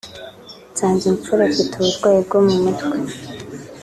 Nsanzimfura afite uburwayi bwo mu mutwe